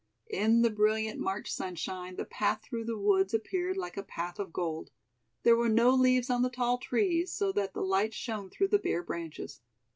In the brilliant March sunshine the path through the woods appeared like a path of gold. There were no leaves on the tall trees so that the light shone through the bare branches.